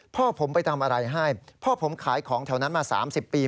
พ่อผมไปทำอะไรให้พ่อผมขายของแถวนั้นมา๓๐ปี